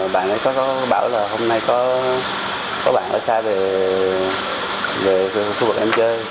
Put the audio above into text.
bạn ấy có bảo là hôm nay có bạn ở xa về khu vực em chơi